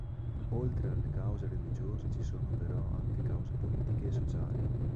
Oltre alle cause religiose, ci sono però anche cause politiche e sociali.